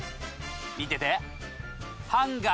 見てて！